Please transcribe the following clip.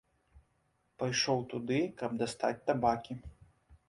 Пайшоў туды, каб дастаць табакі.